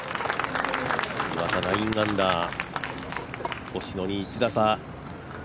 岩田９アンダー星野に１打差。